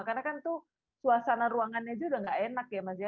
karena kan tuh suasana ruangannya juga gak enak ya mas yudi